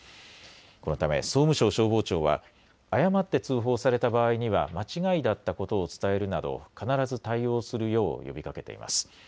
このため総務省消防庁は誤って通報された場合には間違いだったことを伝えるなど必ず対応するよう呼びかけています。